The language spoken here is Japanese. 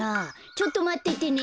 ちょっとまっててね。